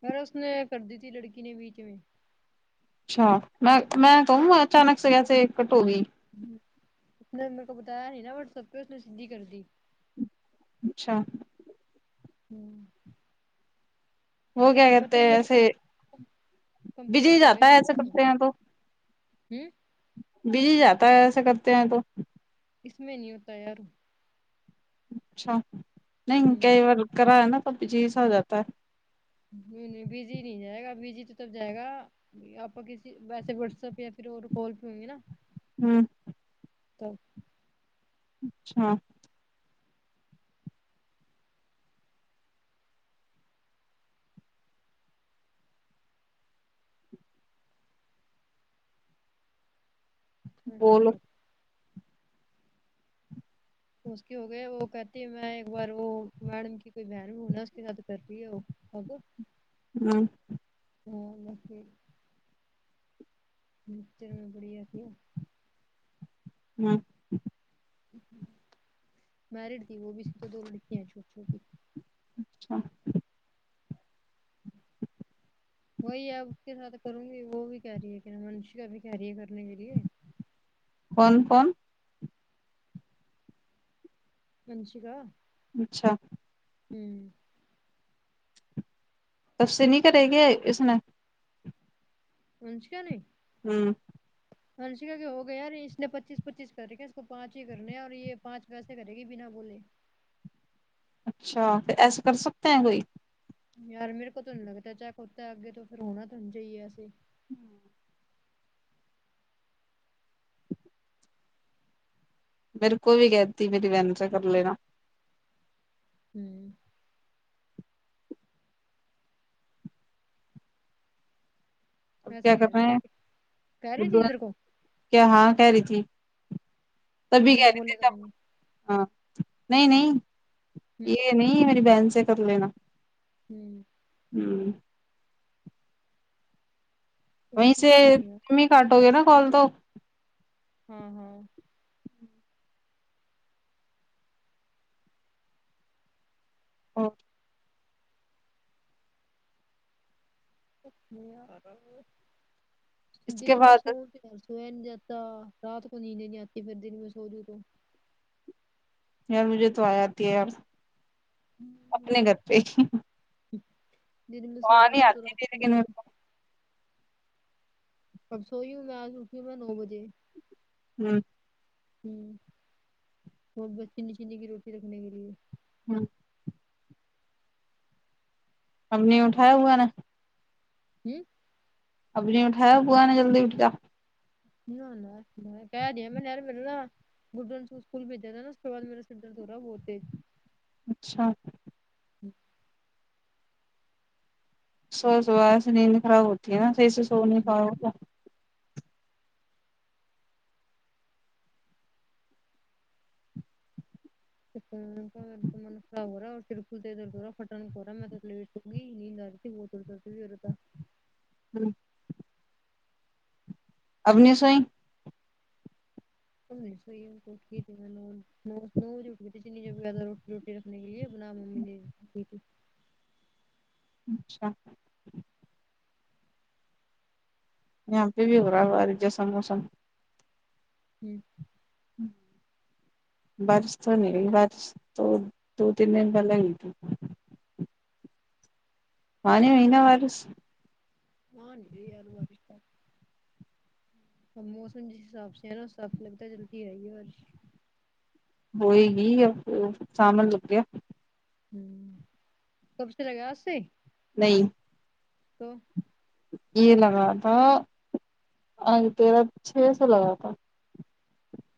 خر اس نے کر دی تھی لڑکی نے بیچ میں اچھا میں میں کہوں اچانک سے ایسے کٹ ہو گئ اس نے میرے کو بتایا نہیں نا واٹسپ پہ اس نے سیدھی کر دی اچھا ہوں وہ کیا کہتے بتی ہیں میرے کو ایسے بجی کمپلیٹ ہو گئے جاتا ہے ایسے میرے ہوں کرتے ہیں بزی جاتا ہے ایسا کرتے ہیں تو اس میں نی ہو تا یار اچھا نہیں ہوں کئی بار کرا ہے نا تو جی سا ہو جاتا ہے نہیں نہیں بزی نہیں جائے گا بزی تو تب جائے گا آپ کو کسی وٹ سب یہ کسی اور کال پے ہوگی نہ ہوں تو اچھا ہاں بولو ہوں اس کی ہو گیا وہ کہتی ہے میں ایک بار وہ میڈم کی کوئی بہن بھیوں نا اس کے ساتھ کرتی ہے وہ ہ ج [unintelligible] ہوں ہ لق [unintelligible] اچھا بڑھیا کیا ہاں میرڈ تھی وہ بھی صرف تو دو لڑکیاں ہے چھوٹی چھوٹی اچھا وہی آپ اس کے ساتھ کروں گی وہ بھی کہہ رہی ہے کہ نہ منشی کا بھی کہہ رہی ہے کرنے کے لیے کون کون منشی کا اچھا ہوں تب سے نہیں کریں گے اس میں منشکا نے ہوں ہنسکا کہ ہو گیا ار اس نے پچیس پچیس کر رکھ ہے اس کو پانچ ہی کرنے اور یہ پانچ کیسے کرے گی بنا بولے اچھا پھر ایسے کر سکتے ہیں کوئی یار میرے کو تونہیں لگتا چھاہے خود کا ابڈٹ ہو تو پھر ہونا تو جیے ایسے ہوں میرے کو بھی کہتی میری بہن سے کر لینا ہوں اب ویسے کیا ہی کہہ کر رہی رہے تھی ہیں کہہ رہی تھی تیرے کو کہ ہاں کہہ رہی تھی کہ تبھی بنا کہہ رہی تھی بولے تب کریں گے ہاں نہیں نہیں ہوں یہ نہیں میری بہن سے کر لینا ہوں ہوں وہیں سے ہوں تو ہی کاٹو گے نا کال تو ہاں ہاں ہاں اس کے دن میں بعد سوتی سویا نہیں جاتا رات کو نیند ہی نہیں آتی پھر دن میں سو گئے تو یار مجھے تو آ جا تی ہے یار تو اپنے گھر پہ ہی دن میں سوتی ہوں نا تو آتی رات تھی لیکن میں میرے کب سوئی ہوں میں آج اٹھی ہوں میں نو بجے ہوں ہوں بنے چنے کی روٹی رکھنے کے لیے ہاں ہم نے اٹھایا ہوا نا ہوں اب نہیں اٹھایا ہوا نے جلدی اٹھیا [unintelligible] [unintelligible] اچھا سو صبح سے نیند خراب ہوتی ہے نا صحی سے سو نہیں پایا ہوتا [unintelligible] اتنی نیند ا رہی تھی اور سر درد بھی ہو رہ تھا ہوں اب نئے سوئی [unintelligible] رکھنے کے لیے بنا ممی نے تھی اچھا یہاں پہ بھی ہو رہا ہو باری جسم وسم ہوں ہوں بارش تو نہیں بارش تو دو دن میں ایک بار لگی وہاں نہیں ہوئی نا بارش ہاں نہیں ہو رہی بارش تو تو موسم جس حساب سے ہے نا صاف لگتا ہے جلدی آئیے گی بارش ہوئے گی سامل ل لگیا ہ کب سے جگ اسے نہیں تو یہ لگا تھا اج تیرا چھ سے لگا تھا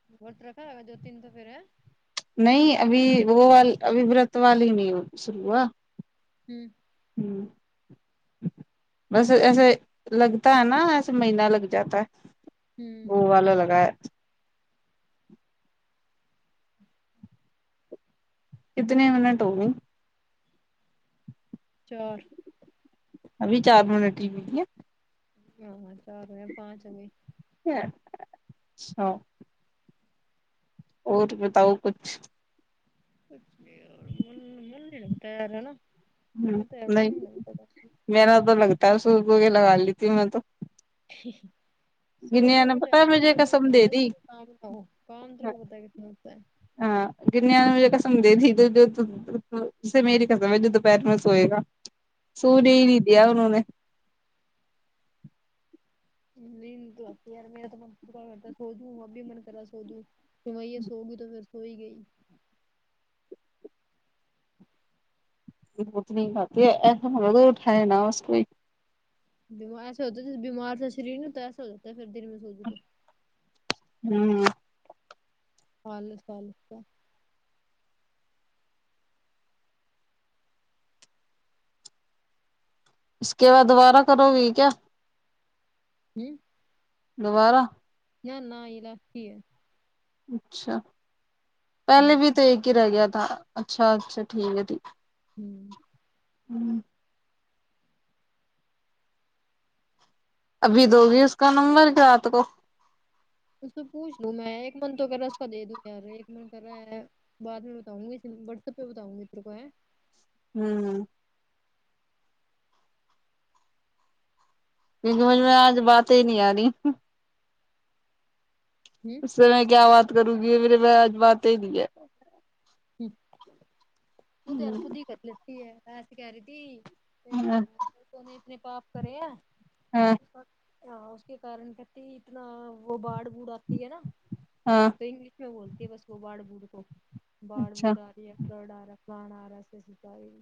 [unintelligible] [unintelligible] ہوں ہوں بس ایسے لگتا ہے نا ایسے مہینہ لگ جاتا ہے ہوں وہ والا لگا ہے کتنے منٹ ہو گی چار ابھی چار منٹ ہی ہوی ہے ہاں ںاں چار نی پانچ ہوئے اچھا اور بتاؤ کچھ کچھ نہیں یار مول نے بتایا تھا نا ہ وہ تو یار من نہیں لگتا تھا میرا تو لگتا ہے سٹ وہ لگا لیتی ہوں میں تو سو سو گنیا نے کے پتا مجھے ٹائم ک قسم دے لگتا دی ہے کام کا ہو کام نا ہوتا ہے کسی سے ہاں گنیا نے مجھے قسم دے دیھی تو جو اوںسے میری قسم ہے جو دوپہر میں سوئے گا سو نے ہوں ہی نہیں دیا انہونے نیند تو اتی ہے یار میرا تو من کرتاہے سوجوں ہ اب بھی من کرا سوجوں پھر وہی ہیں سوگی تو پھر سو ہی گئی آٹھ نہیں پاتی اٹھائے نا بس کوئی بیمار ایسے ہوتا ہے ج بیمار سے شریر سوو تو پھر دن سوگی تو ہوں خالس خالی سا اس کے بعد دوبارہ کرو گی کیا ہوں دوبارہ نا نہ یے لاسٹ ہی ہے اچھا پہلے ہوں بھی تو ایک ہی رہ گیا تھا اچھا اچھا ٹھیک ہے تھی ہوں ہمم ابھی دو گی اس کا نمبر کی رات کو اس سے پوچھ لوں میں ایک من تو کر رہا اس کا دے دوں یار ایک من کر رہا ہے بعد میں بتاؤں گی واٹسپ پے بتاؤ گی تیر کو ہے ہمم سمجھ میں آج باتیں نہیں آ رہی ہوں اس سے میں کیا بات کروں گی میرے بے آج بات ہی نہیں ہے وہ تو یار خود ہی کر لتی ہے ایسے کہہ رہی تھی پے ہاں کونے اتنے پاپ کرے ہے ہاں ہاں اس کے کارن کہتی اتنا وہ باڑ بوڑھآتی ہے نا ہاں تو انگلش میں بولتی ہے بس وہ باڑ بوڑ کو باڑ اچھا بوڈآ رہی ہےکرڈ آ رہا ہے کان آ رہا اسکے ستا آ رہی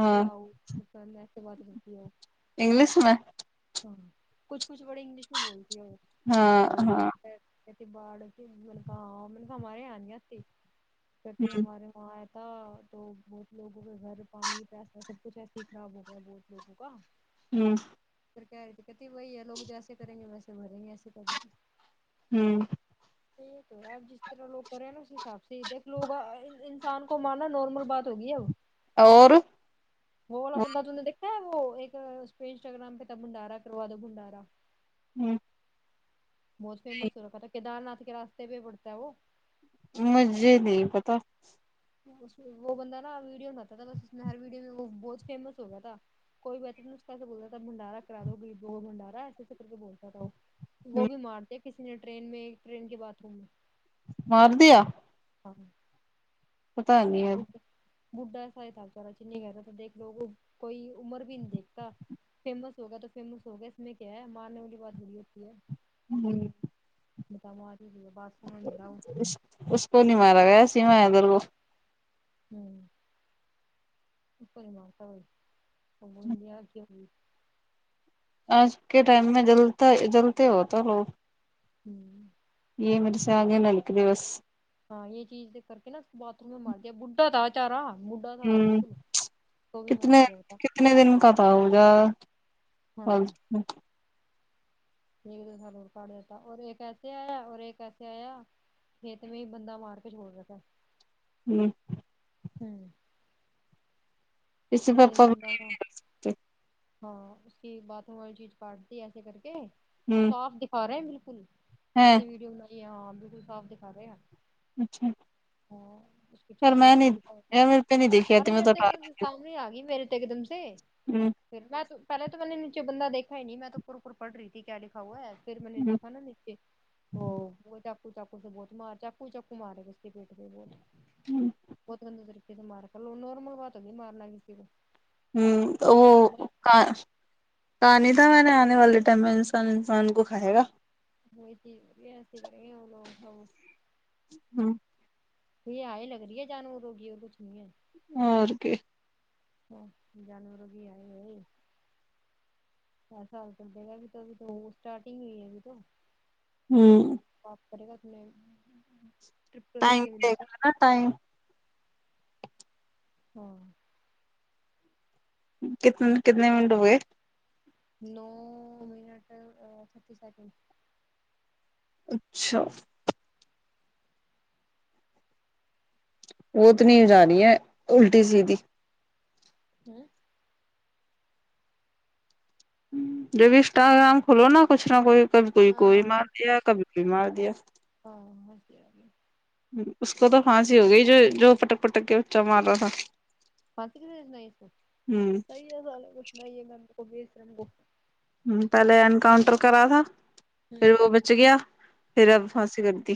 ہاں [unintelligible] انگلش میں ہاں کچھ کچھ بڑی انگلش میں بولتی ہے وہ ہاں تو ہاں کتی باڑ کی میں نے کہا ہمارے یہا نہیں آتی کہتی ہ ہمارے وہاں تھا تو بہت لوگوں کے گھر پانی ویسے ہی سب کچھ ایسے ہی کام ہوگیا بہت لوگوں کا ہمم پھر کہے رہی کہتی وہی ہے لوگ جیسے کریں گے ویسے بھریں گے ایسے کہے ریی تھی ہمم ٹھیک ہے آپ جس طرح لوگ کر رہے ہیں نا حساب سے دیک لو گا انسان کو مارنا نارمل بات ہوگی اب اور وہ والا بندہ تم نے دیکھا ہے وہ ایک اس پے انسٹاگرام پے تھا بنڈارا کروا دو بنڈارا ہمم بہت فیمس ہو راکھا تھا کیدار ناتھ کے راستے پے بڑتا ہے وہ مجھے نہیں پتا وہ بندہ نا ویڈیو بناتا تھا بس اس میں ہر ویڈیو میں وہ بہت فیمس ہو گیا تھا کوئی بس اتے اس کو ایسے بولتا تھا منڈارا کرا دو یببوں بنڈارا ایسے سے کر کے بولتا تھا وہ وہ بھی مارتے کسی نے ٹرین میں ٹرین کے باتھ روم میں ماردیا ہاں پتا ہی نہیں ہے [unintelligible] فیمس ہوگا تو فیمس ہوگا اس میں کیا ہے مارنے والی بات تھوڑی ہوتی ہے ہمم بتا ماری دیا باتھ روم میں ملا وہ اس اس کو نہیں مارا گیا سیما ہے ادر کو ہمم [unintelligible] آج کے ٹائم میں جلتا جلتے ہوتے لوگ ہمم یے میری سے آگے نلکلے بس ہاں یے چیز کر کے نہ اس کو باتھ روم میں مار دیا بڑھا تھا بچارا بڑھا سا ہ تھا بالکل تو بھی مار کتنے دیا بتا کتنے دن کا تھا ہوگا ہاں ٹھیک تو س لو کا دیتا اور یہ کیسے آیا اور یہ کیسے آیا کھیت میں بند مار کے چھوڑ رہتا ہے ہوں ہوں اسی پھر پاپا میں بد ہ ہوا ہاں اس کی باتھ روم والی چیز کاٹتی ہے ایسے کر کے صاف دکھا رہے ہیں بالکل ہے جس نے ویڈیو بنائی ہے ہاں بالکل صاف دکھا رہے ہیں اچھا ہاں اس کی یار چھاتی میں نہیں یار میرے پہ نہیں دیکھی چارے آتی میں میرے تو ایک دم سے آ گی میرے تے ایک دم سے ہوں پھر میں تو پہلے تو میں نے نچے بند دیکھا ہی نہیں میں تو اپر اور پڑ رہی تھی کیا لکھا ہے پھر میں نے دیکھا نا نیچے ہو وہ چاقو چاقو سے بہت مار چاقو چاقو مارے اس کے پیٹ سے بہت ہ بہت گندے طریقے سے مار کر لو نارمل بات تو نہیں مارنا کسی کو ہوں وہ کہاں کہ نہیں تھا میں نے آنے والے ٹائم میں انسان انسان کو کھائے گا وہ چیز بھی ایسے کریں گے ہم لوگ س ہاں کو آ ہی لگ رہی ہے جانور ہوگی اور تو چھ نہیں ہے اور کے ہاں جانور بھی ہے ہے چار سال تو دے گا ابھی تو ابھی تو اسٹارٹنگ ہوئی ہے ابھی تو ہوں آپ کرے گا تو میں بھی کرنے ٹائم دے گا ہے نا ٹائم ہاں کتنے کتنے منٹ ہو گئے نو منٹ چھتیس سیکنڈ اچھا وہ تو نہیں ہو جا رہی ہے الٹی سیدھی ہوں جب بھی انسٹاگرام کھولو نا کچھ نہ کوئی کبھی کوئی کوئی مار فارسی دیا کس کبھی کوئی مار دیا اس کو تو پھانسی ہو گئی ہی جو جو پٹک پٹک کے بچا مار رہا تھا پانسی کتچنا اس کو ہوں صحیح ہے سالے کا سنا ہے گم کو بھیر کو پہلے انکاؤنٹر کرا تھا پھر ہوں وہ بچ گیا پھر اب پھانسی کر دی